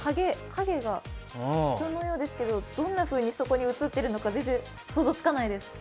影が人のようですけどどんなふうにそこに映ってるのか全然想像つかないです。